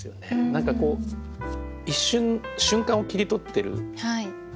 何かこう一瞬瞬間を切り取ってるじゃないですか。